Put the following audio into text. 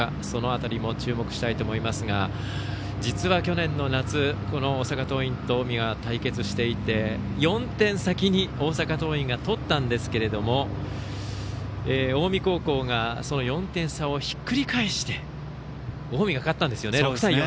その辺りも注目したいと思いますが実は去年の夏大阪桐蔭と近江は対決していて４点先に大阪桐蔭が取ったんですけれども近江高校がその４点差をひっくり返して近江が勝ったんですよね。